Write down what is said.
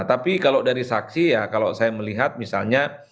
tapi kalau dari saksi ya kalau saya melihat misalnya